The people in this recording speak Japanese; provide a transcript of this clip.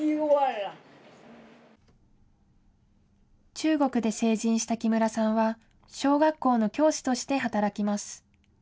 中国で成人した木村さんは小学校の教師として働きます。